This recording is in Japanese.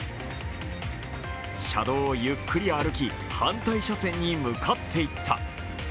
車道をゆっくり歩き、反対車線に向かっていった。